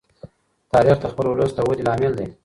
تاریخ د خپل ولس د ودې لامل دی.